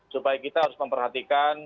supaya kita harus memperhatikan